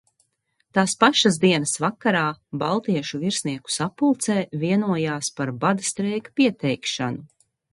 Tās pašas dienas vakarā baltiešu virsnieku sapulcē vienojās par bada streika pieteikšanu.